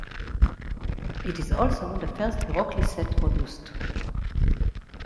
It is also the first Heroclix set produced.